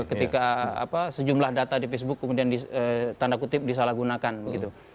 ketika sejumlah data di facebook kemudian tanda kutip disalahgunakan begitu